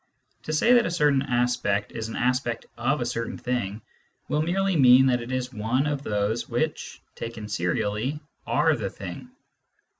To say that a certain aspect is an aspect ofz. certain thing will merely mean that it is one of those which, taken serially, are the thing.